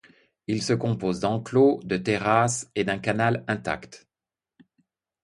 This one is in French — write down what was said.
Il se compose d'enclos, de terrasses et d'un canal intact.